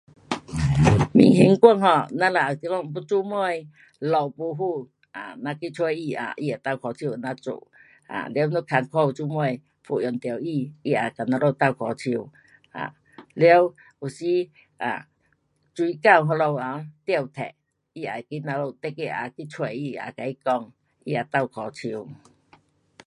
民型官 um，咱们若讲要做么，路不好，啊，咱们去找他啊，他会倒脚手跟咱做。um 了困苦做么要用到他，他会跟咱们倒脚手，啊了有时水沟啊那个 um 得塞，他也会去那里孩儿也去找他，他会倒脚手。